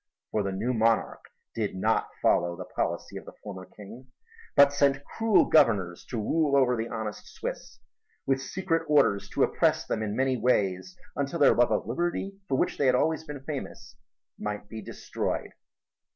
For the new monarch did not follow the policy of the former king, but sent cruel governors to rule over the honest Swiss, with secret orders to oppress them in many ways until their love of liberty, for which they had always been famous, might be destroyed.